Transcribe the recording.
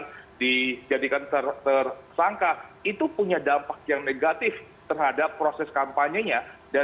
dan dijadikan tersangka itu punya dampak yang negatif terhadap proses kampanyenya